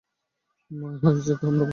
মা এই হয় যাকে ছাড়া আমরা বাঁচতে পারি না।